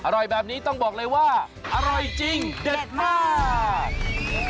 อร่อยแบบนี้ต้องบอกเลยว่าอร่อยจริงเด็ดมาก